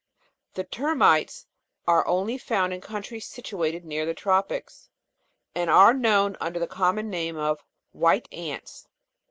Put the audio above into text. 14. The Ter' mites are only found in countries situated near the tropics, and are known under the common name of white ants.